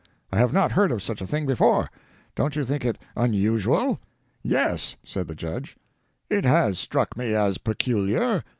I have not heard of such a thing before. Don't you think it unusual?" "Yes," said the Judge, "it has struck me as peculiar.